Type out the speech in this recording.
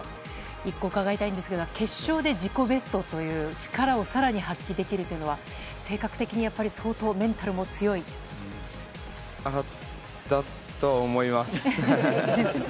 １個伺いたいんですが決勝で自己ベストという力を更に発揮できるというのは性格的にだと思います。